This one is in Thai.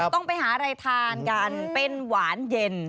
ต้องไปหาอะไรทานกันเป็นหวานเย็น